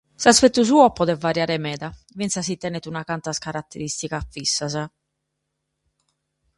S'aspetu suo podet variare meda, fintzas si tenet unas cantas caraterìsticas fissas.